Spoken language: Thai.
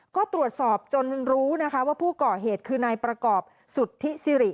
ก็ตรวจสอบจนรู้นะคะว่าผู้ก่อเหตุคือนายประกอบสุทธิสิริ